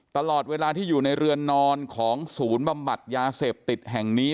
ตลอดเวลาที่อยู่ในเรือนนอนของศูนย์บำบัดยาเสพติดแห่งนี้